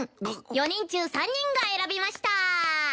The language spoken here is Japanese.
４人中３人が選びました！